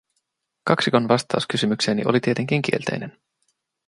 Kaksikon vastaus kysymykseeni oli tietenkin kielteinen;